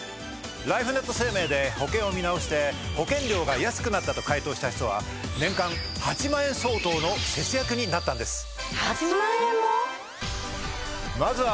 ライフネット生命で保険を見直して保険料が安くなったと回答した人は年間８万円相当の節約になったんです。